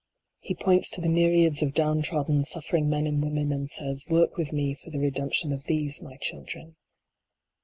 He points to the myriads of down trodden, suffering men and women, and says :" Work with me for the re demption of these, my children."